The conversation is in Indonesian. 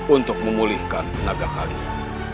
untuk memulihkan tenaga kalian